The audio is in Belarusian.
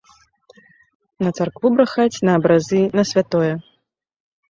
На царкву брахаць, на абразы, на святое.